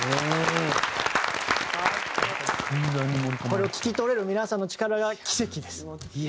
これを聴き取れる皆さんの力が奇跡です。